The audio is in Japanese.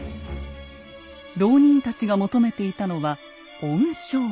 牢人たちが求めていたのは恩賞。